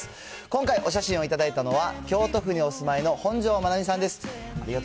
今回、お写真を頂いたのは京都府にお住まいの本上まなみさんです。